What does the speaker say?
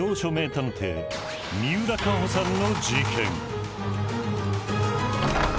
探偵三浦佳穂さんの事件。